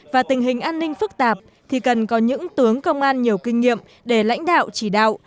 và tình hình an ninh phức tạp thì cần có những tướng công an nhiều kinh nghiệm để lãnh đạo chỉ đạo